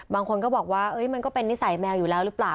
บางคนก็บอกว่ามันก็เป็นนิสัยแมวอยู่แล้วหรือเปล่า